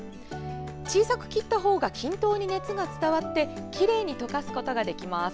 小さく切ったほうが均等に熱が伝わってきれいに溶かすことができます。